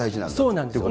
そうなんです。